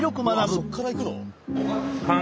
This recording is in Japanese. そこからいくの！？